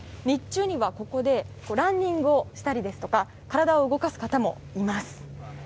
日中にはここでランニングをしたりですとか体を動かす方もいます。